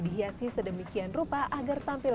dihiasi sedemikian rupa agar tampil